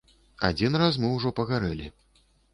Адзін раз мы ўжо пагарэлі.